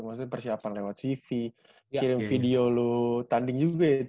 maksudnya persiapan lewat cv kirim video lu tanding juga ya t